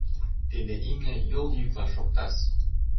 Тиде имне йол йӱкла шоктас.